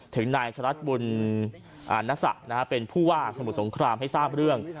ถึงนายชรัฐบุญอ่านัสสะนะฮะเป็นผู้ว่าสมุดสงครามให้ทราบเรื่อง